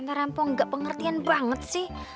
ntar ampun gak pengertian banget sih